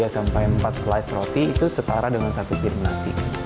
tiga sampai empat slice roti itu setara dengan satu tim nasi